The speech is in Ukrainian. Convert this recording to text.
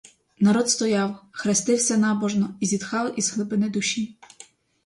Народ стояв, хрестився набожно і зітхав із глибини душі.